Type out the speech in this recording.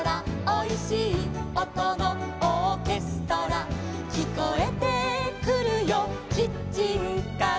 「おいしいおとのオーケストラ」「きこえてくるよキッチンから」